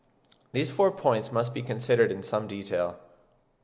These four points must be considered in some detail.